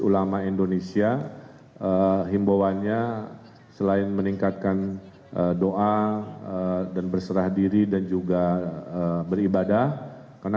ulama indonesia himbauannya selain meningkatkan doa dan berserah diri dan juga beribadah karena